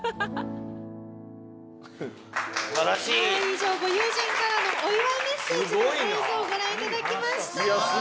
以上ご友人からのお祝いメッセージの映像をご覧いただきました。